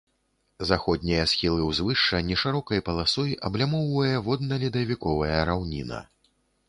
Заходнія схілы ўзвышша нешырокай паласой аблямоўвае водна-ледавіковая раўніна.